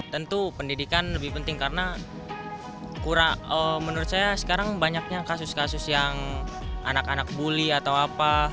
tentu pendidikan lebih penting karena kurang menurut saya sekarang banyaknya kasus kasus yang anak anak bully atau apa